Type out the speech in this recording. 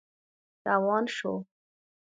روان شو.